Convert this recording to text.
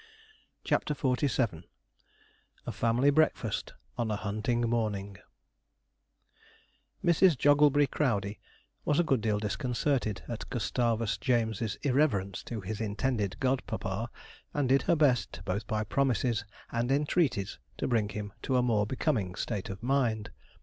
CHAPTER XLVII A FAMILY BREAKFAST ON A HUNTING MORNING Mrs. Jogglebury Crowdey was a good deal disconcerted at Gustavus James's irreverence to his intended god papa, and did her best, both by promises and entreaties, to bring him to a more becoming state of mind.